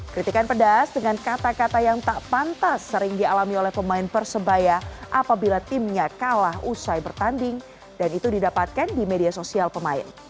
kritikan pedas dengan kata kata yang tak pantas sering dialami oleh pemain persebaya apabila timnya kalah usai bertanding dan itu didapatkan di media sosial pemain